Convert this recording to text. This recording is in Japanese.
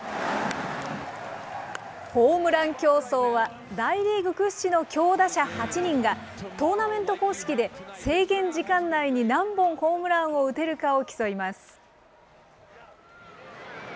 ホームラン競争は、大リーグ屈指の強打者８人が、トーナメント方式で制限時間内に何本ホームランを打てるかを競います。